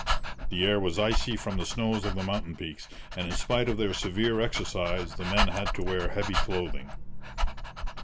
The air was icy from the snows of the mountain peaks, and in spite of their severe exercise the men had to wear heavy clothing.